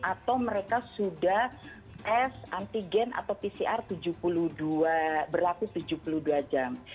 atau mereka sudah tes antigen atau pcr berlatih tujuh puluh dua jam